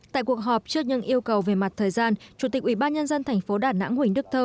tại cuộc họp trước những yêu cầu về mặt thời gian chủ tịch ủy ban nhân dân thành phố đà nẵng huỳnh đức thơ